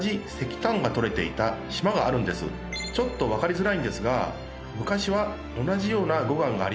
ちょっと分かりづらいんですが。